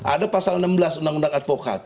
ada pasal enam belas undang undang advokat